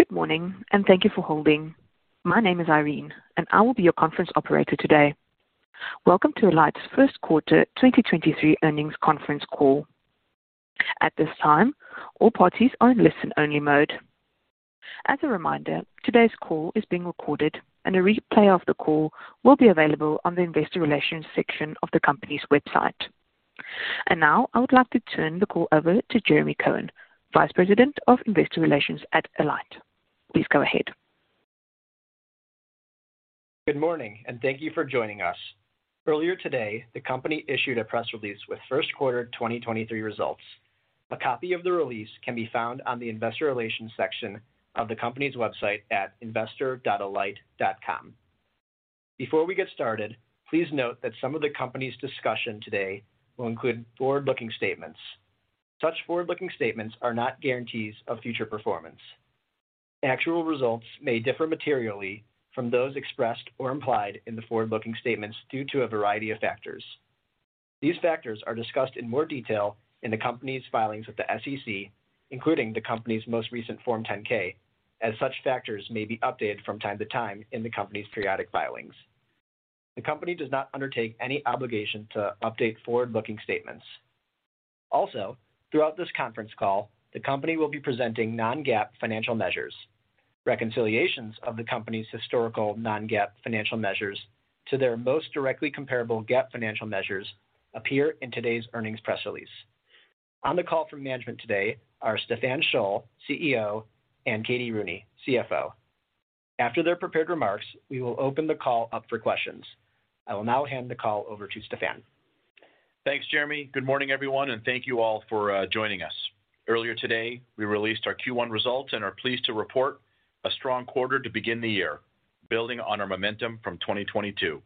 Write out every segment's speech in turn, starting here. Good morning, and thank you for holding. My name is Irene, and I will be your conference operator today. Welcome to Alight's First Quarter 2023 Earnings Conference Call. At this time, all parties are in listen-only mode. As a reminder, today's call is being recorded, and a replay of the call will be available on the investor relations section of the company's website. Now, I would like to turn the call over to Jeremy Cohen, Vice President of Investor Relations at Alight. Please go ahead. Good morning, thank you for joining us. Earlier today, the company issued a press release with first quarter 2023 results. A copy of the release can be found on the investor relations section of the company's website at investor.alight.com. Before we get started, please note that some of the company's discussion today will include forward-looking statements. Such forward-looking statements are not guarantees of future performance. Actual results may differ materially from those expressed or implied in the forward-looking statements due to a variety of factors. These factors are discussed in more detail in the company's filings with the SEC, including the company's most recent Form 10-K, as such factors may be updated from time to time in the company's periodic filings. The company does not undertake any obligation to update forward-looking statements. Throughout this conference call, the company will be presenting non-GAAP financial measures. Reconciliations of the company's historical non-GAAP financial measures to their most directly comparable GAAP financial measures appear in today's earnings press release. On the call from management today are Stephan Scholl, CEO, and Katie Rooney, CFO. After their prepared remarks, we will open the call up for questions. I will now hand the call over to Stephan. Thanks, Jeremy. Good morning, everyone, and thank you all for joining us. Earlier today, we released our Q1 results and are pleased to report a strong quarter to begin the year, building on our momentum from 2022.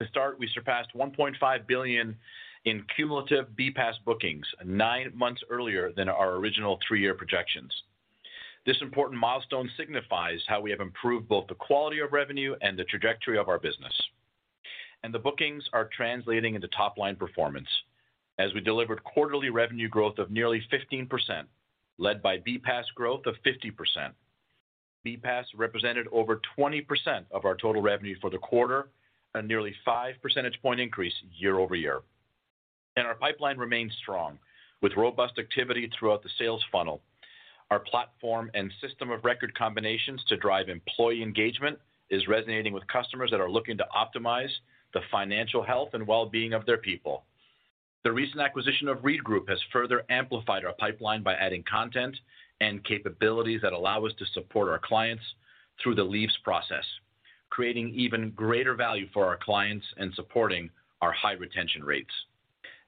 To start, we surpassed $1.5 billion in cumulative BPaaS bookings 9 months earlier than our original 3-year projections. This important milestone signifies how we have improved both the quality of revenue and the trajectory of our business. The bookings are translating into top-line performance as we delivered quarterly revenue growth of nearly 15%, led by BPaaS growth of 50%. BPaaS represented over 20% of our total revenue for the quarter and nearly 5 percentage point increase year-over-year. Our pipeline remains strong with robust activity throughout the sales funnel. Our platform and system of record combinations to drive employee engagement is resonating with customers that are looking to optimize the financial health and well-being of their people. The recent acquisition of ReedGroup has further amplified our pipeline by adding content and capabilities that allow us to support our clients through the leaves process, creating even greater value for our clients and supporting our high retention rates.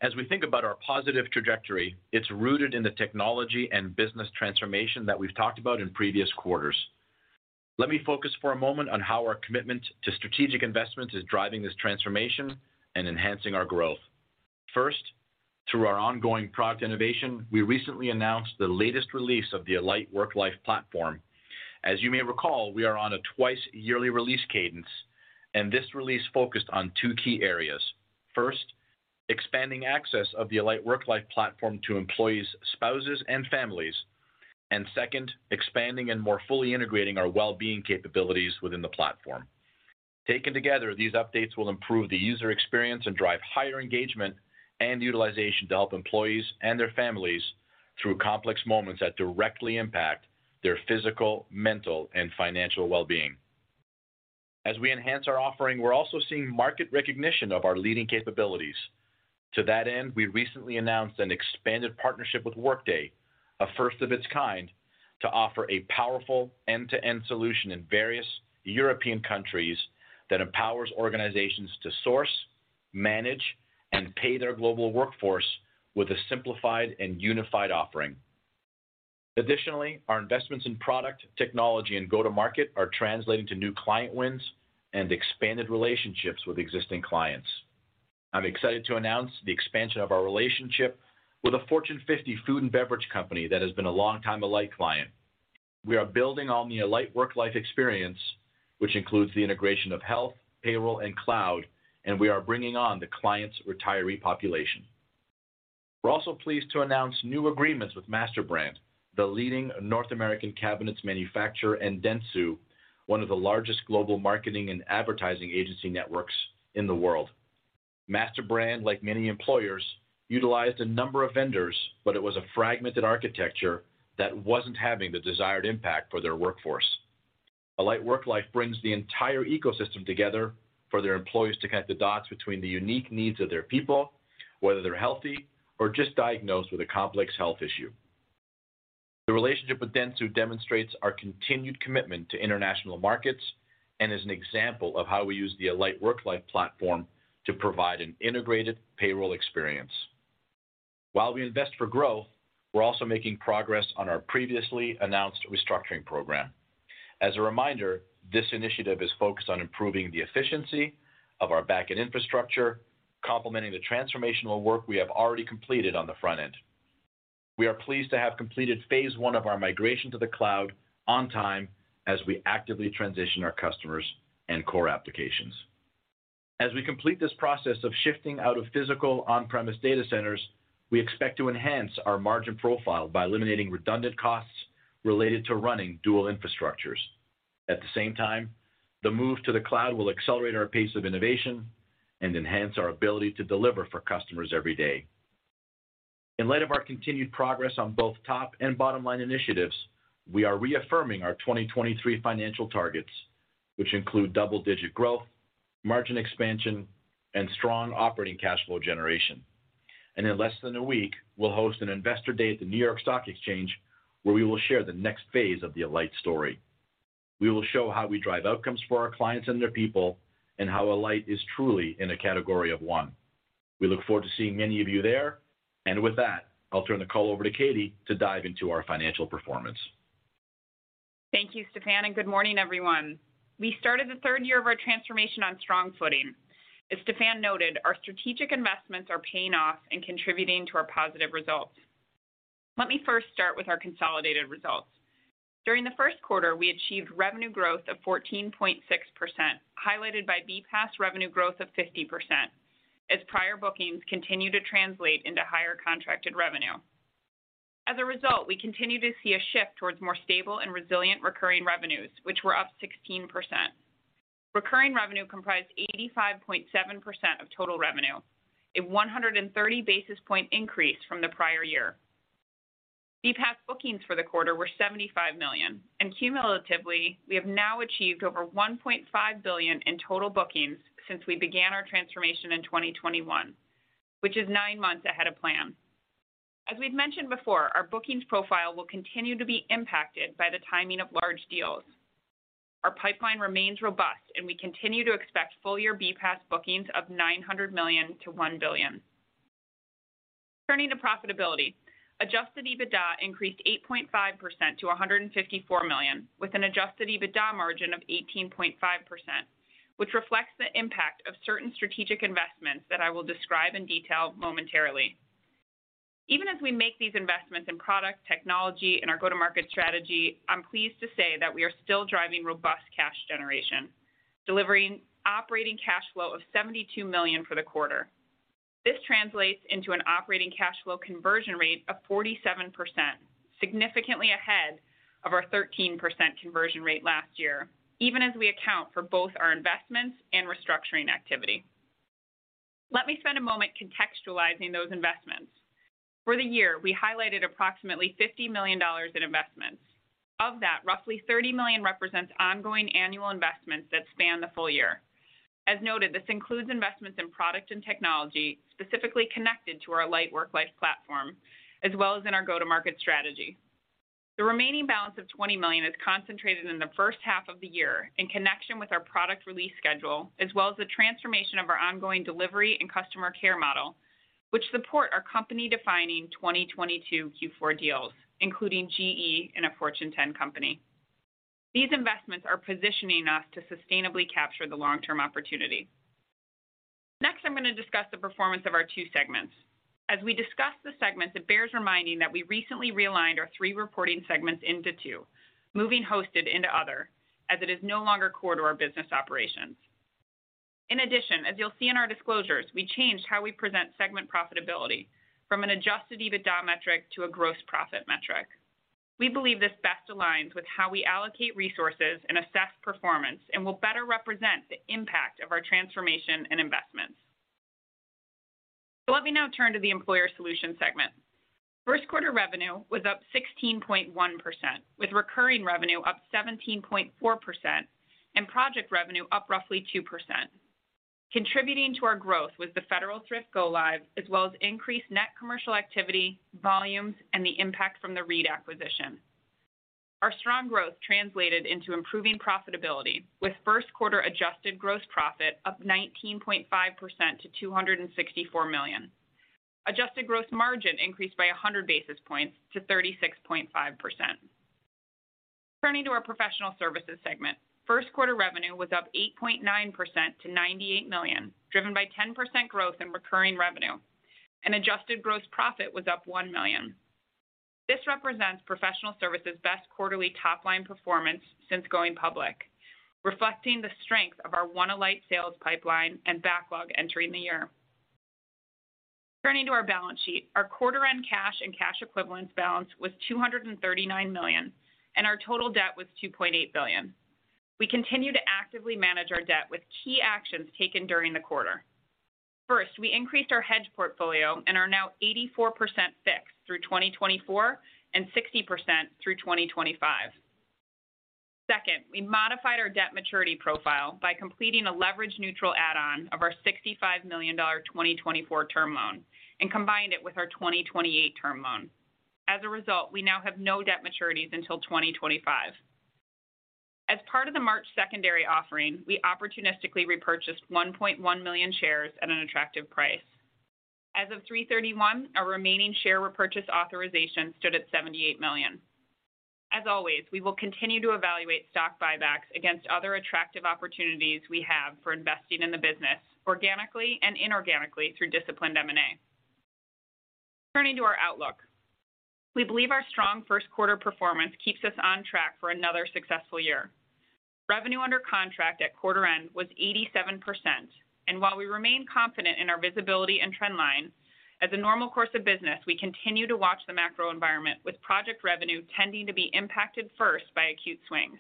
As we think about our positive trajectory, it's rooted in the technology and business transformation that we've talked about in previous quarters. Let me focus for a moment on how our commitment to strategic investment is driving this transformation and enhancing our growth. First, through our ongoing product innovation, we recently announced the latest release of the Alight Worklife platform. As you may recall, we are on a twice-yearly release cadence, and this release focused on two key areas. First, expanding access of the Alight Worklife platform to employees' spouses and families. Second, expanding and more fully integrating our well-being capabilities within the platform. Taken together, these updates will improve the user experience and drive higher engagement and utilization to help employees and their families through complex moments that directly impact their physical, mental, and financial well-being. As we enhance our offering, we're also seeing market recognition of our leading capabilities. To that end, we recently announced an expanded partnership with Workday, a first of its kind, to offer a powerful end-to-end solution in various European countries that empowers organizations to source, manage, and pay their global workforce with a simplified and unified offering. Additionally, our investments in product, technology, and go-to-market are translating to new client wins and expanded relationships with existing clients. I'm excited to announce the expansion of our relationship with a Fortune 50 food and beverage company that has been a long time Alight client. We are building on the Alight Worklife experience, which includes the integration of health, payroll, and cloud, and we are bringing on the client's retiree population. We're also pleased to announce new agreements with MasterBrand, the leading North American cabinets manufacturer, and Dentsu, one of the largest global marketing and advertising agency networks in the world. MasterBrand, like many employers, utilized a number of vendors, but it was a fragmented architecture that wasn't having the desired impact for their workforce. Alight Worklife brings the entire ecosystem together for their employees to connect the dots between the unique needs of their people, whether they're healthy or just diagnosed with a complex health issue. The relationship with Dentsu demonstrates our continued commitment to international markets and is an example of how we use the Alight Worklife platform to provide an integrated payroll experience. While we invest for growth, we're also making progress on our previously announced restructuring program. As a reminder, this initiative is focused on improving the efficiency of our back-end infrastructure, complementing the transformational work we have already completed on the front end. We are pleased to have completed phase one of our migration to the cloud on time as we actively transition our customers and core applications. As we complete this process of shifting out of physical on-premise data centers, we expect to enhance our margin profile by eliminating redundant costs related to running dual infrastructures. At the same time, the move to the cloud will accelerate our pace of innovation and enhance our ability to deliver for customers every day. In light of our continued progress on both top and bottom-line initiatives, we are reaffirming our 2023 financial targets, which include double-digit growth, margin expansion, and strong operating cash flow generation. In less than a week, we'll host an investor day at the New York Stock Exchange, where we will share the next phase of the Alight story. We will show how we drive outcomes for our clients and their people, and how Alight is truly in a category of one. We look forward to seeing many of you there. With that, I'll turn the call over to Katie to dive into our financial performance. Thank you, Stephan, good morning, everyone. We started the third year of our transformation on strong footing. As Stephan noted, our strategic investments are paying off and contributing to our positive results. Let me first start with our consolidated results. During the first quarter, we achieved revenue growth of 14.6%, highlighted by BPaaS revenue growth of 50%, as prior bookings continue to translate into higher contracted revenue. A result, we continue to see a shift towards more stable and resilient recurring revenues, which were up 16%. Recurring revenue comprised 85.7% of total revenue, a 130 basis point increase from the prior year. BPaaS bookings for the quarter were $75 million, and cumulatively, we have now achieved over $1.5 billion in total bookings since we began our transformation in 2021, which is 9 months ahead of plan. Our pipeline remains robust, and we continue to expect full-year BPaaS bookings of $900 million-$1 billion. Turning to profitability, adjusted EBITDA increased 8.5% to $154 million, with an adjusted EBITDA margin of 18.5%, which reflects the impact of certain strategic investments that I will describe in detail momentarily. Even as we make these investments in product, technology, and our go-to-market strategy, I'm pleased to say that we are still driving robust cash generation, delivering operating cash flow of $72 million for the quarter. This translates into an operating cash flow conversion rate of 47%, significantly ahead of our 13% conversion rate last year, even as we account for both our investments and restructuring activity. Let me spend a moment contextualizing those investments. For the year, we highlighted approximately $50 million in investments. Of that, roughly $30 million represents ongoing annual investments that span the full year. As noted, this includes investments in product and technology, specifically connected to our Alight Worklife platform, as well as in our go-to-market strategy. The remaining balance of $20 million is concentrated in the first half of the year in connection with our product release schedule, as well as the transformation of our ongoing delivery and customer care model, which support our company-defining 2022 Q4 deals, including GE and a Fortune 10 company. These investments are positioning us to sustainably capture the long-term opportunity. Next, I'm going to discuss the performance of our two segments. As we discuss the segments, it bears reminding that we recently realigned our three reporting segments into two, moving hosted into other, as it is no longer core to our business operations. In addition, as you'll see in our disclosures, we changed how we present segment profitability from an adjusted EBITDA metric to a gross profit metric. We believe this best aligns with how we allocate resources and assess performance and will better represent the impact of our transformation and investments. Let me now turn to the employer solutions segment. First quarter revenue was up 16.1%, with recurring revenue up 17.4% and project revenue up roughly 2%. Contributing to our growth was the Federal Thrift go live, as well as increased net commercial activity, volumes, and the impact from the ReedGroup acquisition. Our strong growth translated into improving profitability, with first quarter adjusted gross profit up 19.5% to $264 million. Adjusted gross margin increased by 100 basis points to 36.5%. Turning to our professional services segment, first quarter revenue was up 8.9% to $98 million, driven by 10% growth in recurring revenue, and adjusted gross profit was up $1 million. This represents professional services best quarterly top-line performance since going public, reflecting the strength of our One Alight sales pipeline and backlog entering the year. Turning to our balance sheet, our quarter-end cash and cash equivalents balance was $239 million, and our total debt was $2.8 billion. We continue to actively manage our debt with key actions taken during the quarter. First, we increased our hedge portfolio and are now 84% fixed through 2024 and 60% through 2025. Second, we modified our debt maturity profile by completing a leverage-neutral add-on of our $65 million 2024 term loan and combined it with our 2028 term loan. As a result, we now have no debt maturities until 2025. As part of the March secondary offering, we opportunistically repurchased 1.1 million shares at an attractive price. As of 3/31, our remaining share repurchase authorization stood at $78 million. As always, we will continue to evaluate stock buybacks against other attractive opportunities we have for investing in the business organically and inorganically through disciplined M&A. Turning to our outlook. We believe our strong first quarter performance keeps us on track for another successful year. Revenue under contract at quarter end was 87%, while we remain confident in our visibility and trend line, as a normal course of business, we continue to watch the macro environment with project revenue tending to be impacted first by acute swings.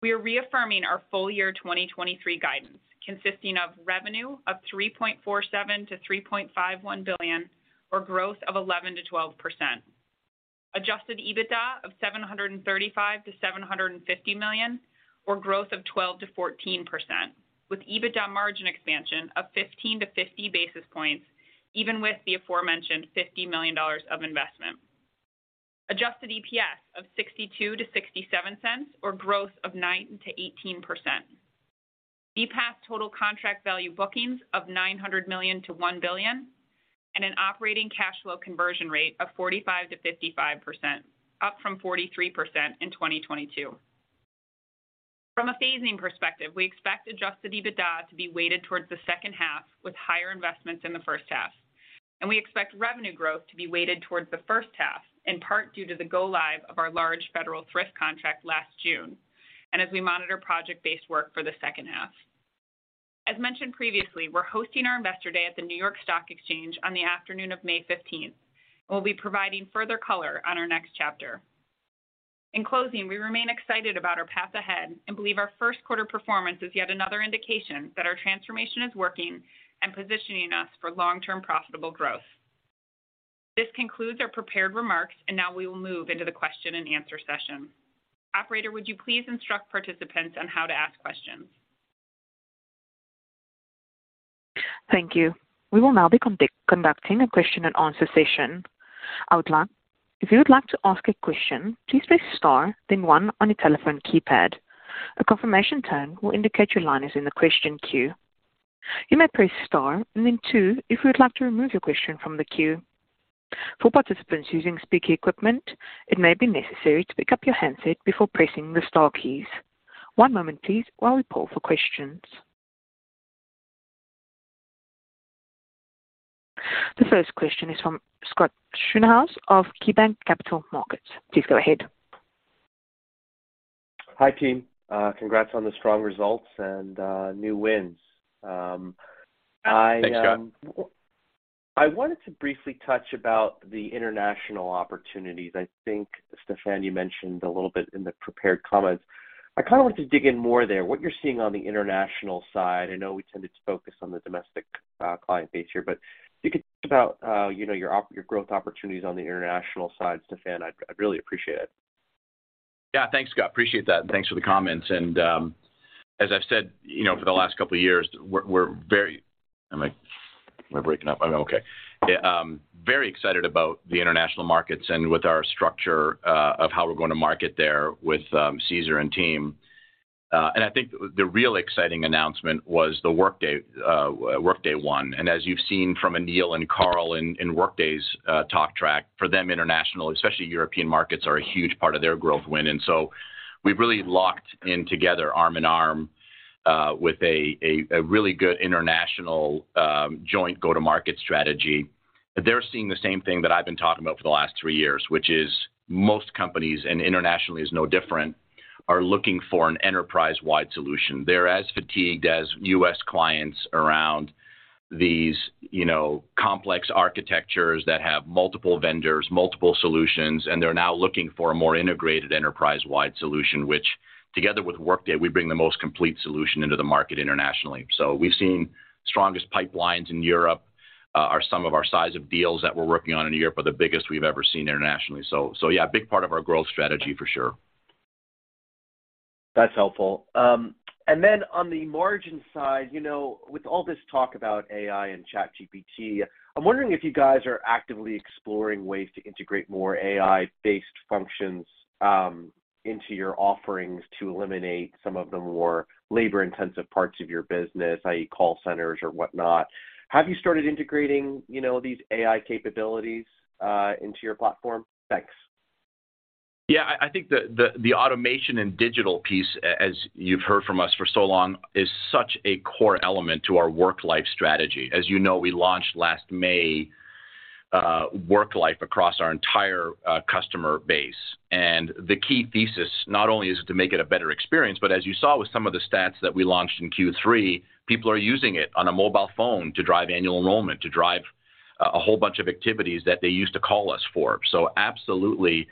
We are reaffirming our full year 2023 guidance, consisting of revenue of $3.47 billion-$3.51 billion or growth of 11%-12%. adjusted EBITDA of $735 million-$750 million, or growth of 12%-14%, with EBITDA margin expansion of 15 basis points-50 basis points even with the aforementioned $50 million of investment. Adjusted EPS of $0.62-$0.67 or growth of 9%-18%. BPaaS total contract value bookings of $900 million-$1 billion, an operating cash flow conversion rate of 45%-55%, up from 43% in 2022. From a phasing perspective, we expect adjusted EBITDA to be weighted towards the second half with higher investments in the first half, and we expect revenue growth to be weighted towards the first half, in part due to the go live of our large Federal Thrift contract last June, and as we monitor project-based work for the second half. As mentioned previously, we're hosting our Investor Day at the New York Stock Exchange on the afternoon of May 15th, and we'll be providing further color on our next chapter. In closing, we remain excited about our path ahead and believe our first quarter performance is yet another indication that our transformation is working and positioning us for long-term profitable growth. This concludes our prepared remarks, and now we will move into the question and answer session. Operator, would you please instruct participants on how to ask questions? Thank you. We will now be conducting a question and answer session. If you would like to ask a question, please press star, then 1 on your telephone keypad. A confirmation tone will indicate your line is in the question queue. You may press star and then 2 if you would like to remove your question from the queue. For participants using speaker equipment, it may be necessary to pick up your handset before pressing the star keys. One moment please while we poll for questions. The first question is from Scott Schoenhaus of KeyBanc Capital Markets. Please go ahead. Hi, team. Congrats on the strong results and new wins. Thanks, Scott. I wanted to briefly touch about the international opportunities. I think, Stephan, you mentioned a little bit in the prepared comments. I kind of want to dig in more there. What you're seeing on the international side, I know we tended to focus on the domestic client base here, but if you could talk about, you know, your growth opportunities on the international side, Stephan, I'd really appreciate it. Yeah. Thanks, Scott. Appreciate that. Thanks for the comments. As I've said, you know, for the last couple of years, we're very. Am I breaking up? I'm okay. Yeah. Very excited about the international markets and with our structure of how we're going to market there with Cesar and team. I think the real exciting announcement was the Workday Workday One. As you've seen from Anil and Carl in Workday's talk track, for them, international, especially European markets, are a huge part of their growth win. So we've really locked in together arm in arm with a really good international joint go-to-market strategy. They're seeing the same thing that I've been talking about for the last three years, which is most companies, and internationally is no different, are looking for an enterprise-wide solution. They're as fatigued as U.S. clients around these, you know, complex architectures that have multiple vendors, multiple solutions, and they're now looking for a more integrated enterprise-wide solution, which together with Workday, we bring the most complete solution into the market internationally. We've seen strongest pipelines in Europe. Some of our size of deals that we're working on in Europe are the biggest we've ever seen internationally. Yeah, a big part of our growth strategy for sure. That's helpful. On the margin side, you know, with all this talk about AI and ChatGPT, I'm wondering if you guys are actively exploring ways to integrate more AI-based functions into your offerings to eliminate some of the more labor-intensive parts of your business, i.e., call centers or whatnot. Have you started integrating, you know, these AI capabilities into your platform? Thanks. Yeah. I think the automation and digital piece, as you've heard from us for so long, is such a core element to our Worklife strategy. As you know, we launched last May, Worklife across our entire customer base. The key thesis not only is to make it a better experience, but as you saw with some of the stats that we launched in Q3, people are using it on a mobile phone to drive annual enrollment, to drive a whole bunch of activities that they used to call us for. Absolutely,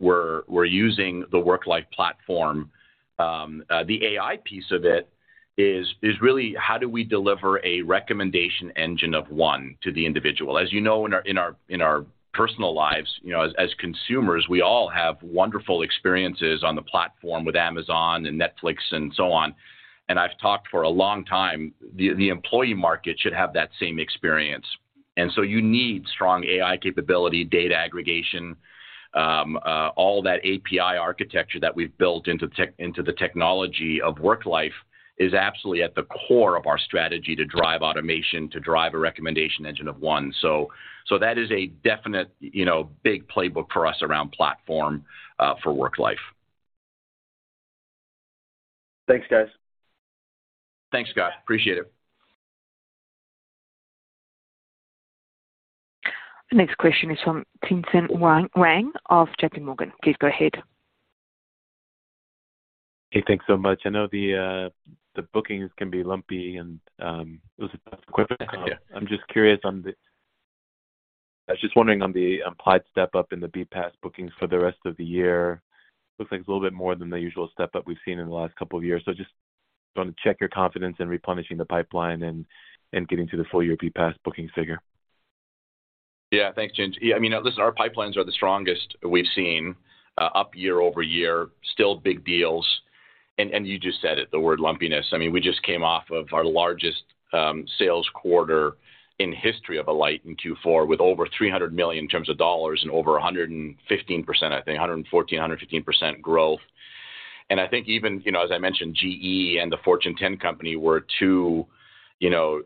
we're using the Worklife platform. The AI piece of it is really how do we deliver a recommendation engine of one to the individual. As you know, in our personal lives, you know, as consumers, we all have wonderful experiences on the platform with Amazon and Netflix and so on. I've talked for a long time, the employee market should have that same experience. You need strong AI capability, data aggregation, all that API architecture that we've built into the technology of Worklife is absolutely at the core of our strategy to drive automation, to drive a recommendation engine of one. That is a definite, you know, big playbook for us around platform for Worklife. Thanks, guys. Thanks, Scott. Appreciate it. The next question is from Tien-Tsin Huang of JPMorgan. Please go ahead. Hey, thanks so much. I know the bookings can be lumpy and it was a question. I'm just curious on the implied step up in the BPaaS bookings for the rest of the year. Looks like it's a little bit more than the usual step up we've seen in the last couple of years. Just want to check your confidence in replenishing the pipeline and getting to the full-year BPaaS booking figure. Yeah. Thanks, Tien-Tsin. I mean, listen, our pipelines are the strongest we've seen, up year-over-year, still big deals. You just said it, the word lumpiness. I mean, we just came off of our largest sales quarter in history of Alight in Q4 with over $300 million in terms of dollars and over 115%, I think 114%, 115% growth. I think even, you know, as I mentioned, GE and the Fortune 10 company were two, you know,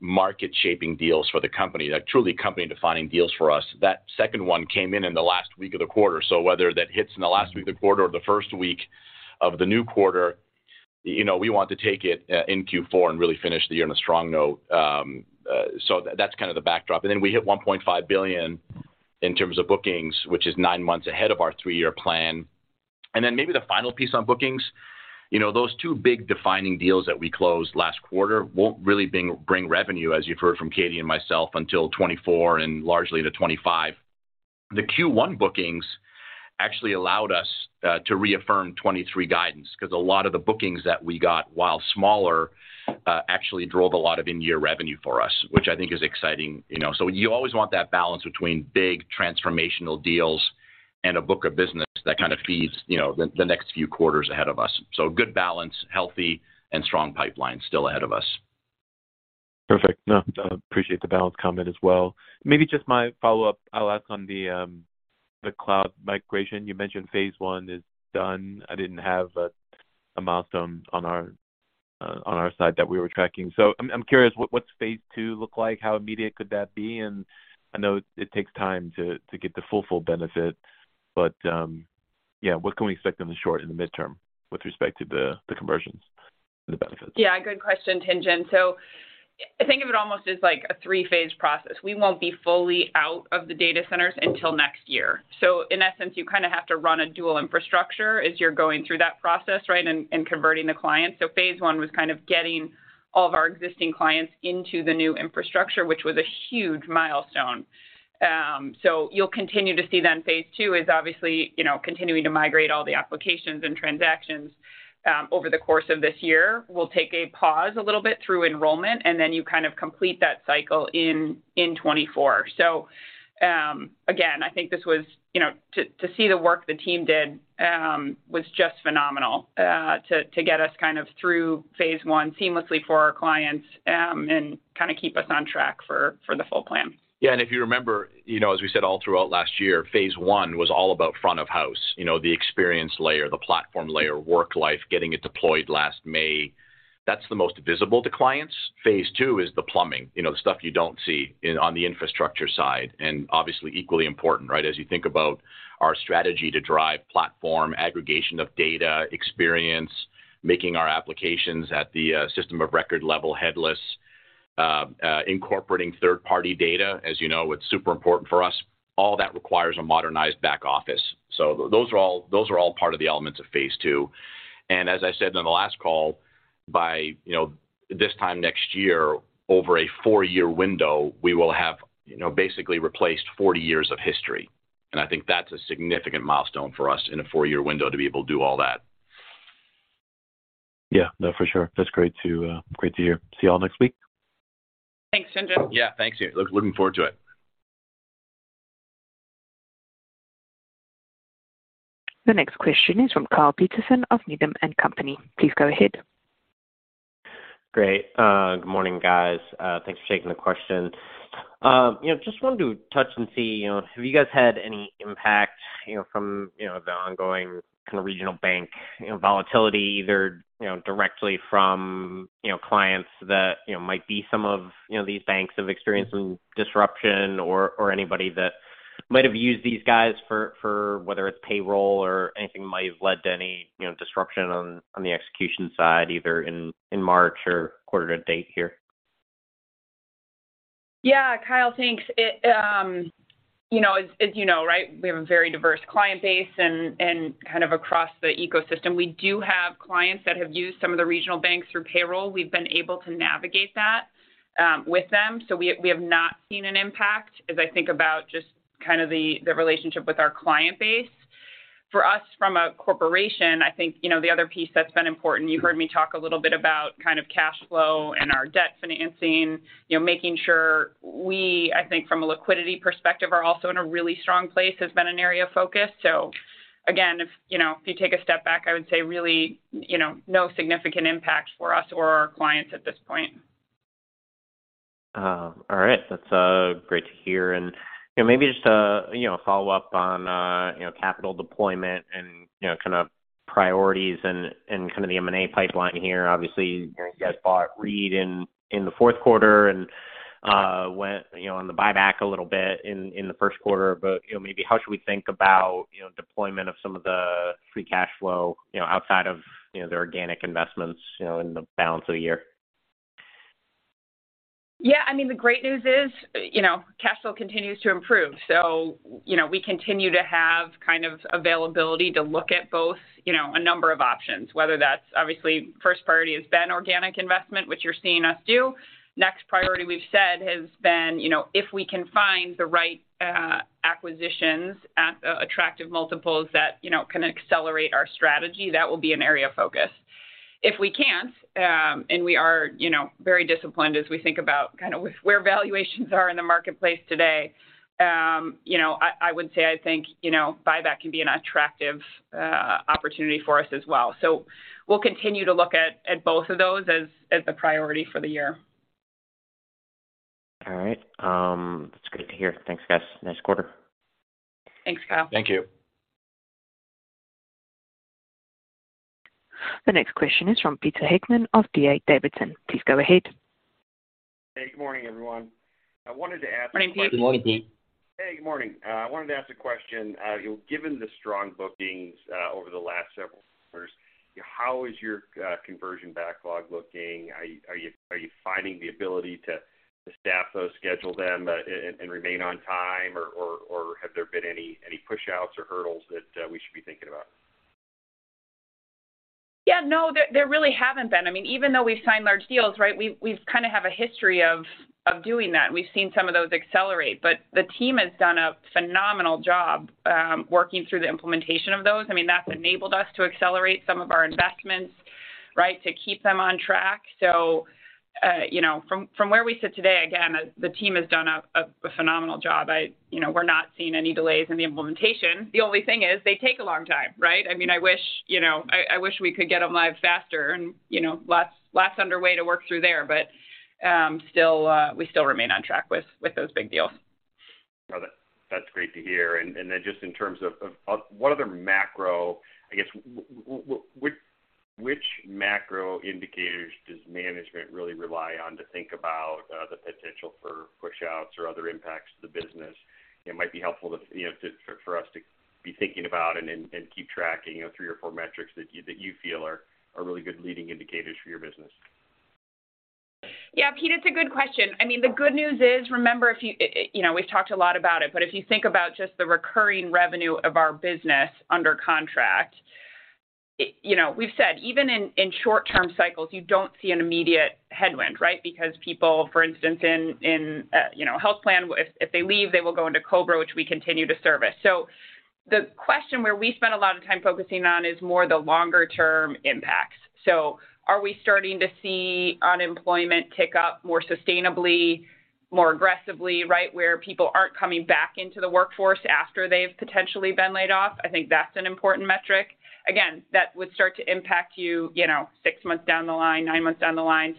market shaping deals for the company. Like, truly company defining deals for us. That second one came in in the last week of the quarter. Whether that hits in the last week of the quarter or the first week of the new quarter, you know, we want to take it in Q4 and really finish the year on a strong note. That's kind of the backdrop. We hit $1.5 billion in terms of bookings, which is nine months ahead of our 3-year plan. Maybe the final piece on bookings, you know, those two big defining deals that we closed last quarter won't really bring revenue, as you've heard from Katie and myself, until 2024 and largely into 2025. The Q1 bookings actually allowed us to reaffirm 2023 guidance, because a lot of the bookings that we got, while smaller, actually drove a lot of in-year revenue for us, which I think is exciting. You know, you always want that balance between big transformational deals and a book of business that kind of feeds, you know, the next few quarters ahead of us. Good balance, healthy and strong pipeline still ahead of us. Perfect. No, I appreciate the balance comment as well. Maybe just my follow-up, I'll ask on the cloud migration. You mentioned phase one is done. I didn't have a milestone on our side that we were tracking. I'm curious, what's phase two look like? How immediate could that be? I know it takes time to get the full benefit, but yeah. What can we expect in the short and the midterm with respect to the conversions and the benefits? Yeah, good question, Tien-Tsin. Think of it almost as, like a three-phase process. We won't be fully out of the data centers until next year. In essence, you kind of have to run a dual infrastructure as you're going through that process, right, and converting the clients. Phase one was kind of getting all of our existing clients into the new infrastructure, which was a huge milestone. You'll continue to see phase two is obviously, you know, continuing to migrate all the applications and transactions over the course of this year. We'll take a pause a little bit through enrollment, and then you kind of complete that cycle in 2024. Again, I think this was, you know, to see the work the team did, was just phenomenal, to get us kind of through phase one seamlessly for our clients, and kind of keep us on track for the full plan. Yeah. If you remember, you know, as we said all throughout last year, phase one was all about front of house, you know, the experience layer, the platform layer, Worklife, getting it deployed last May. That's the most visible to clients. Phase two is the plumbing, you know, the stuff you don't see on the infrastructure side, and obviously equally important, right? As you think about our strategy to drive platform aggregation of data, experience, making our applications at the system of record level headless, incorporating third-party data. As you know, it's super important for us. All that requires a modernized back office. Those are all part of the elements of phase two. As I said on the last call, by, you know, this time next year, over a 4-year window, we will have, you know, basically replaced 40 years of history. I think that's a significant milestone for us in a 4-year window to be able to do all that. Yeah. No, for sure. That's great to hear. See you all next week. Thanks, Tien-Tsin. Yeah. Thanks. Looking forward to it. The next question is from Kyle Peterson of Needham & Company. Please go ahead. Great. good morning, guys. thanks for taking the question. you know, just wanted to touch and see, you know, have you guys had any impact, you know, from, you know, the ongoing kind of regional bank, you know, volatility, either, you know, directly from, you know, clients that, you know, might be some of, you know, these banks have experienced some disruption or anybody that might have used these guys for whether it's payroll or anything that might have led to any, you know, disruption on the execution side, either in March or quarter to date here? Yeah. Kyle, thanks. It, you know, as you know, right, we have a very diverse client base and kind of across the ecosystem. We do have clients that have used some of the regional banks through payroll. We've been able to navigate that with them. We, we have not seen an impact as I think about just kind of the relationship with our client base. For us from a corporation, I think, you know, the other piece that's been important, you heard me talk a little bit about kind of cash flow and our debt financing, you know, making sure we, I think from a liquidity perspective, are also in a really strong place, has been an area of focus. Again, if, you know, if you take a step back, I would say really, you know, no significant impact for us or our clients at this point. All right. That's great to hear. You know, maybe just a, you know, follow-up on, you know, capital deployment and, you know, kind of priorities and kind of the M&A pipeline here. Obviously, you guys bought Reed in the fourth quarter and went, you know, on the buyback a little bit in the first quarter. You know, maybe how should we think about, you know, deployment of some of the free cash flow, you know, outside of, you know, the organic investments, you know, in the balance of the year? Yeah, I mean, the great news is, you know, cash flow continues to improve. You know, we continue to have kind of availability to look at both, you know, a number of options, whether that's obviously first priority has been organic investment, which you're seeing us do. Next priority we've said has been, you know, if we can find the right acquisitions at attractive multiples that, you know, can accelerate our strategy, that will be an area of focus. If we can't, and we are, you know, very disciplined as we think about kind of where valuations are in the marketplace today, you know, I would say I think, you know, buyback can be an attractive opportunity for us as well. We'll continue to look at both of those as the priority for the year. All right. That's great to hear. Thanks, guys. Nice quarter. Thanks, Kyle. Thank you. The next question is from Peter Heckmann of D.A. Davidson. Please go ahead. Hey, good morning, everyone. Morning, Pete. Good morning, Pete. Hey, good morning. I wanted to ask a question. Given the strong bookings over the last several quarters, how is your conversion backlog looking? Are you finding the ability to staff those, schedule them, and remain on time, or have there been any pushouts or hurdles that we should be thinking about? Yeah. No, there really haven't been. I mean, even though we've signed large deals, right, we've kinda have a history of doing that, and we've seen some of those accelerate. The team has done a phenomenal job working through the implementation of those. I mean, that's enabled us to accelerate some of our investments, right, to keep them on track. You know, from where we sit today, again, the team has done a phenomenal job. You know, we're not seeing any delays in the implementation. The only thing is they take a long time, right? I mean, I wish, you know, I wish we could get them live faster and, you know, less underway to work through there. Still, we still remain on track with those big deals. Well, that's great to hear. I guess which macro indicators does management really rely on to think about the potential for pushouts or other impacts to the business? It might be helpful to, you know, for us to be thinking about keep tracking, you know, three or four metrics that you feel are really good leading indicators for your business. Yeah. Pete, it's a good question. I mean, the good news is, remember, if you know, we've talked a lot about it, but if you think about just the recurring revenue of our business under contract, you know, we've said, even in short-term cycles, you don't see an immediate headwind, right? Because people, for instance, in you know, health plan, if they leave, they will go into COBRA, which we continue to service. The question where we spend a lot of time focusing on is more the longer term impacts. Are we starting to see unemployment tick up more sustainably, more aggressively, right, where people aren't coming back into the workforce after they've potentially been laid off? I think that's an important metric. Again, that would start to impact you know, 6 months down the line, 9 months down the line.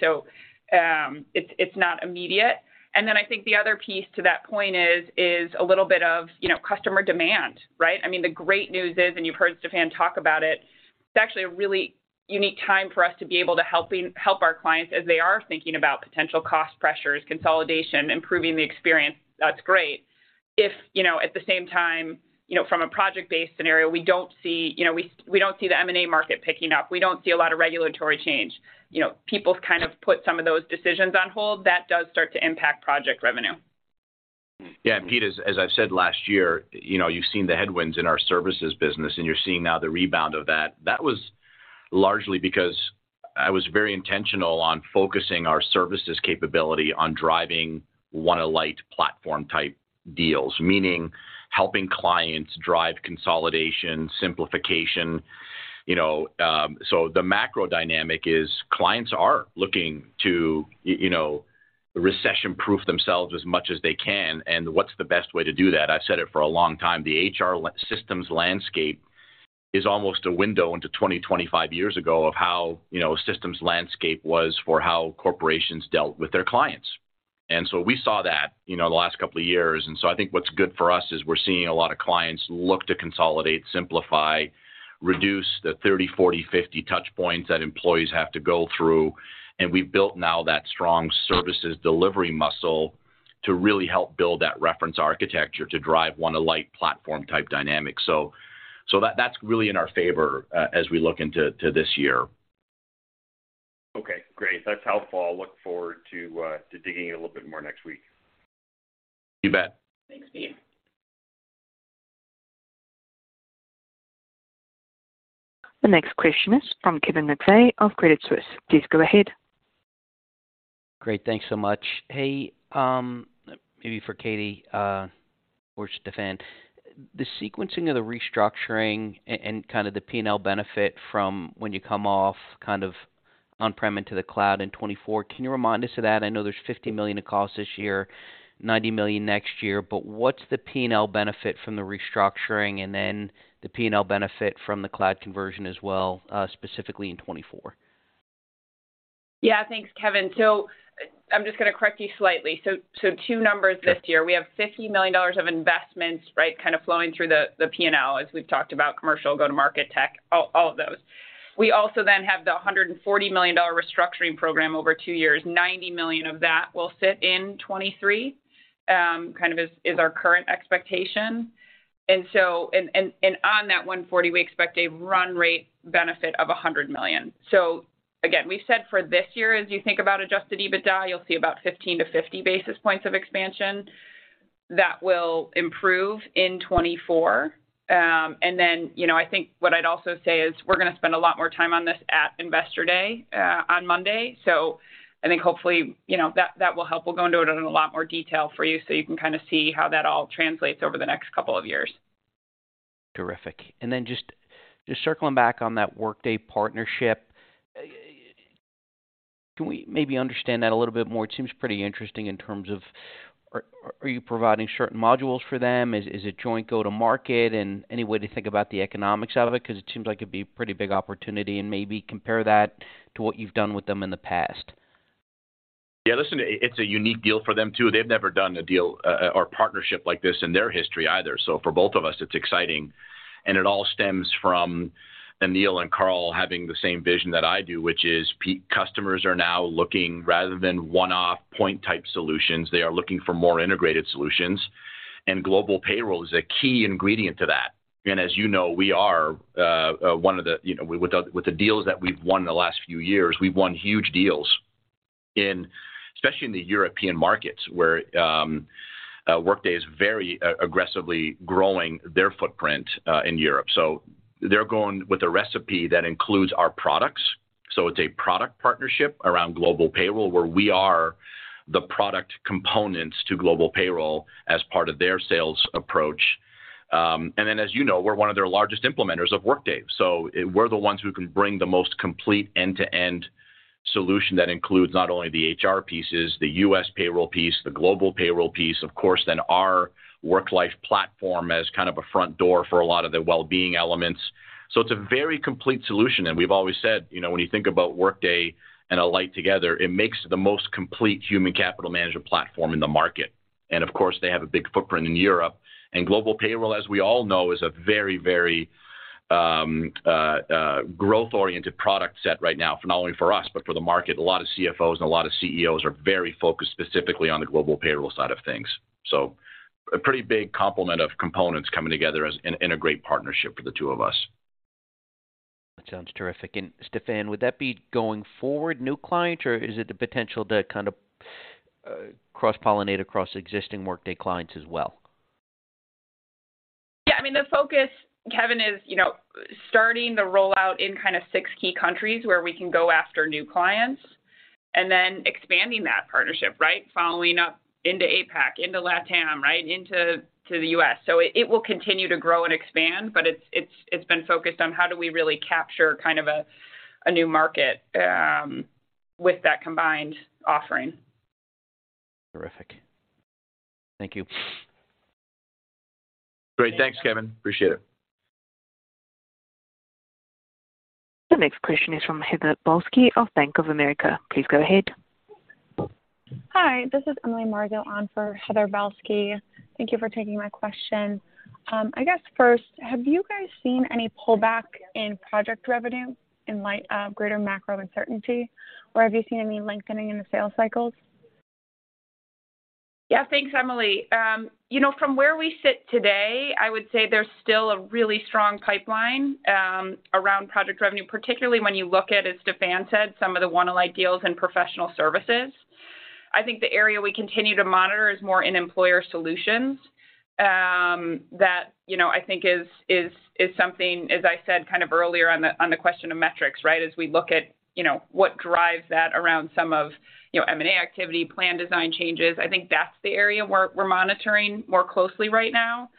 it's not immediate. I think the other piece to that point is a little bit of, you know, customer demand, right? I mean, the great news is, and you've heard Stephan talk about it's actually a really unique time for us to be able to help our clients as they are thinking about potential cost pressures, consolidation, improving the experience. That's great. If, you know, at the same time, you know, from a project-based scenario, we don't see, you know, we don't see the M&A market picking up. We don't see a lot of regulatory change. You know, people kind of put some of those decisions on hold, that does start to impact project revenue. Yeah. Pete, as I've said last year, you know, you've seen the headwinds in our services business, and you're seeing now the rebound of that. That was largely because I was very intentional on focusing our services capability on driving One Alight platform type deals, meaning helping clients drive consolidation, simplification. You know, so the macro dynamic is clients are looking to, you know, recession-proof themselves as much as they can, and what's the best way to do that? I've said it for a long time. The HR systems landscape is almost a window into 20 years, 25 years ago of how, you know, systems landscape was for how corporations dealt with their clients. So we saw that, you know, the last couple of years. I think what's good for us is we're seeing a lot of clients look to consolidate, simplify, reduce the 30, 40, 50 touch points that employees have to go through. We've built now that strong services delivery muscle to really help build that reference architecture to drive One Alight platform type dynamics. That's really in our favor as we look into this year. Okay, great. That's helpful. I'll look forward to digging in a little bit more next week. You bet. Thanks, Pete. The next question is from Kevin McVeigh of Credit Suisse. Please go ahead. Great. Thanks so much. Hey, maybe for Katie, or Stephan. The sequencing of the restructuring and kind of the P&L benefit from when you come off kind of On-prem into the cloud in 2024, can you remind us of that? I know there's $50 million in cost this year, $90 million next year, but what's the P&L benefit from the restructuring and then the P&L benefit from the cloud conversion as well, specifically in 2024? Yeah. Thanks, Kevin. I'm just gonna correct you slightly. Two numbers this year. We have $50 million of investments, right, kind of flowing through the P&L, as we've talked about commercial, go-to-market tech, all of those. We also have the $140 million restructuring program over two years. $90 million of that will sit in 2023, kind of is our current expectation. On that $140 million, we expect a run rate benefit of $100 million. Again, we said for this year, as you think about adjusted EBITDA, you'll see about 15 basis points-50 basis points of expansion that will improve in 2024. You know, I think what I'd also say is we're gonna spend a lot more time on this at Investor Day on Monday. I think hopefully, you know, that will help. We'll go into it in a lot more detail for you so you can kind of see how that all translates over the next couple of years. Terrific. Just circling back on that Workday partnership, can we maybe understand that a little bit more? It seems pretty interesting in terms of are you providing certain modules for them? Is it joint go-to-market? Any way to think about the economics out of it? 'Cause it seems like it'd be pretty big opportunity and maybe compare that to what you've done with them in the past. Yeah. Listen, it's a unique deal for them too. They've never done a deal or partnership like this in their history either. For both of us, it's exciting, and it all stems from Anil and Carl having the same vision that I do, which is customers are now looking rather than one-off point type solutions. They are looking for more integrated solutions, global payroll is a key ingredient to that. As you know, we are one of the, with the deals that we've won the last few years. We've won huge deals in, especially in the European markets where Workday is very aggressively growing their footprint in Europe. They're going with a recipe that includes our products. It's a product partnership around global payroll, where we are the product components to global payroll as part of their sales approach. As you know, we're one of their largest implementers of Workday. We're the ones who can bring the most complete end-to-end solution that includes not only the HR pieces, the U.S. payroll piece, the global payroll piece, of course, then our Worklife platform as kind of a front door for a lot of the well-being elements. It's a very complete solution. We've always said, you know, when you think about Workday and Alight together, it makes the most complete human capital management platform in the market. Of course, they have a big footprint in Europe. Global payroll, as we all know, is a very, very, growth-oriented product set right now, not only for us but for the market. A lot of CFOs and a lot of CEOs are very focused specifically on the global payroll side of things. A pretty big complement of components coming together as in a great partnership for the two of us. That sounds terrific. Stephan, would that be going forward new clients, or is it the potential to kind of, cross-pollinate across existing Workday clients as well? I mean, the focus, Kevin, is you know, starting the rollout in kind of six key countries where we can go after new clients and then expanding that partnership, right? Following up into APAC, into LATAM, right, into the U.S. It will continue to grow and expand, but it's been focused on how do we really capture kind of a new market with that combined offering. Terrific. Thank you. Great. Thanks, Kevin. Appreciate it. The next question is from Heather Balsky of Bank of America. Please go ahead. Hi, this is Emily Marzo on for Heather Balsky. Thank you for taking my question. I guess first, have you guys seen any pullback in project revenue in light of greater macro uncertainty, or have you seen any lengthening in the sales cycles? Yeah. Thanks, Emily. you know, from where we sit today, I would say there's still a really strong pipeline, around project revenue, particularly when you look at, as Stephan said, some of the One Alight deals in professional services. I think the area we continue to monitor is more in employer solutions, that, you know, I think is something, as I said kind of earlier on the, on the question of metrics, right? As we look at, you know, what drives that around some of, you know, M&A activity, plan design changes. I think that's the area we're monitoring more closely right now.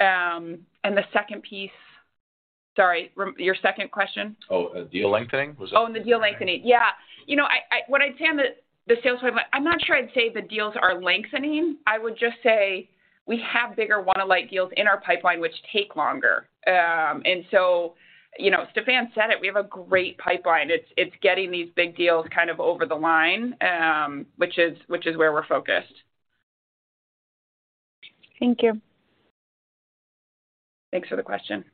The second piece. Sorry, your second question? Oh, deal lengthening. Was that? Oh, the deal lengthening. Yeah. You know, what I'd say on the sales pipeline, I'm not sure I'd say the deals are lengthening. I would just say we have bigger One Alight deals in our pipeline which take longer. You know, Stephan said it. We have a great pipeline. It's getting these big deals kind of over the line, which is where we're focused. Thank you. Thanks for the question.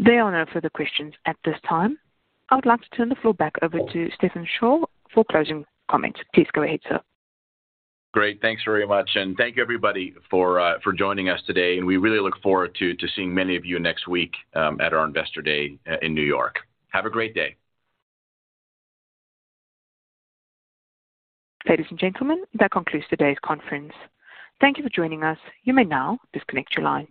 There are no further questions at this time. I would like to turn the floor back over to Stephan Scholl for closing comments. Please go ahead, sir. Great. Thanks very much. Thank you, everybody, for joining us today. We really look forward to seeing many of you next week at our Investor Day in New York. Have a great day. Ladies and gentlemen, that concludes today's conference. Thank you for joining us. You may now disconnect your lines.